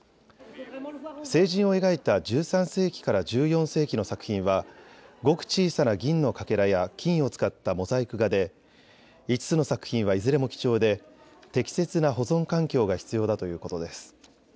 聖人を描いた１３世紀から１４世紀の作品はごく小さな銀のかけらや金を使ったモザイク画で５つの作品はいずれも貴重で適切な保存環境が必要だということです。